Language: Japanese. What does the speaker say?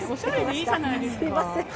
すみません。